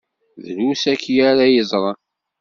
Drus akya ara yeẓṛen.